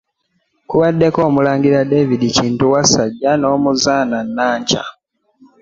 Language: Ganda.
Kubaddeko omulangira David Kintu Wassajja n'Omuzaana Nankya.